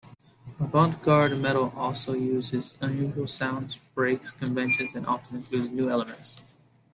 Avant-garde metal also uses unusual sounds, breaks conventions, and often includes new elements.